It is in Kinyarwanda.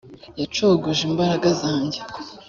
yacogoje imbaraga zanjye